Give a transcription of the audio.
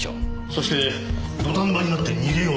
そして土壇場になって逃げようとした。